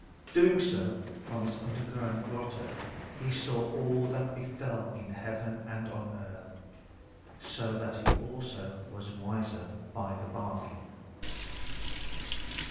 Doing so, from his underground grotto he saw all that befell in heaven and on earth. So that he also was wiser by the bargain.